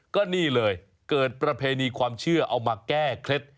ก็นี่เลยเกิดประเพณีความเชื่อเอามาแก้เคล็ด